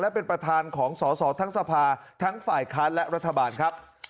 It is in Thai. และเป็นประธานของสอสอทั้งสภาทั้งฝ่ายค้านและรัฐบาลครับ